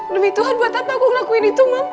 demi tuhan buat apa aku ngelakuin itu mah